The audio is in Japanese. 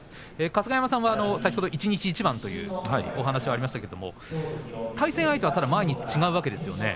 春日山さんから先ほど一日一番というお話がありましたけれども対戦相手は毎日違うわけですよね。